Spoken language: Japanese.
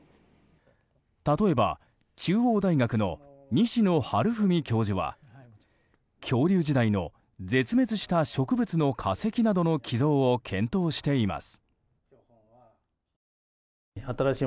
例えば、中央大学の西田治文教授は恐竜時代の絶滅した植物の化石などの寄贈を検討しています。